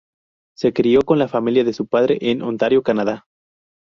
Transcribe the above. Se crio con la familia de su padre en Ontario, Canadá.